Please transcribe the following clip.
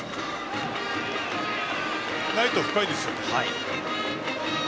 ライト、深いですね。